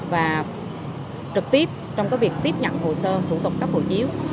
và trực tiếp trong việc tiếp nhận hồ sơ thủ tục cấp hộ chiếu